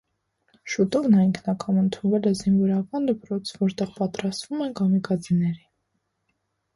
Շուտով նա ինքնակամ ընդունվել է զինվորական դպրոց, որտեղ պատրաստում էին կամիկաձեների։